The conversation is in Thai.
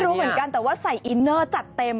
รู้เหมือนกันแต่ว่าใส่อินเนอร์จัดเต็ม